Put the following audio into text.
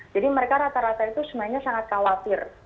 jadi mereka rata rata itu sebenarnya sangat khawatir